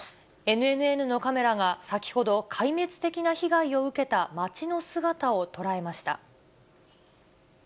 ＮＮＮのカメラが先ほど、壊滅的な被害を受けた街の姿を捉えました。